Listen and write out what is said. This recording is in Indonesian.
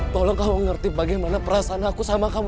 tolong kamu ngerti bagaimana perasaan aku sama kamu